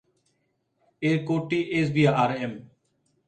এর কোডটি এসবিআরএম।